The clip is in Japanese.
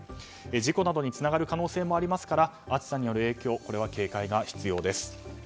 事故などにつながる可能性もあるので暑さの影響、警戒が必要です。